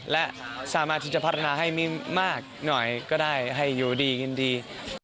และสามารถที่จะพัฒนาให้มีมากหน่อยก็ได้ให้อยู่ดีกินดี